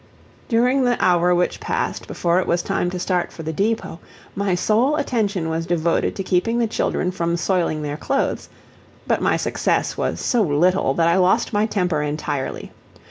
During the hour which passed before it was time to start for the depot, my sole attention was devoted to keeping the children from soiling their clothes; but my success was so little, that I lost my temper entirely.